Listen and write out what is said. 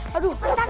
maka dia udah kembali